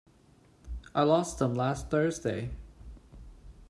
I lost them last Thursday.